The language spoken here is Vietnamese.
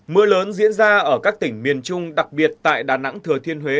mưa lớn diễn ra ở các tỉnh miền trung đặc biệt tại đà nẵng thừa thiên huế